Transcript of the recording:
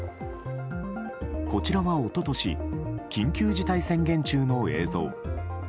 こちらは、一昨年緊急事態宣言中の映像。